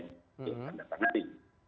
itu yang datang nanti